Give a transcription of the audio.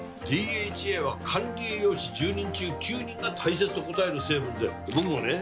ＤＨＡは管理栄養士１０人中９人が大切と答える成分で僕もね